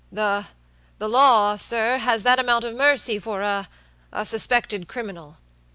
Thethelaw, sir, has that amount of mercy for aasuspected criminal.